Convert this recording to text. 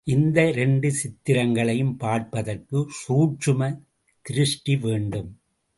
இந்த இரண்டு சித்திரங்களையும் பார்ப்பதற்கு சூட்சும திருஷ்டி வேண்டும்.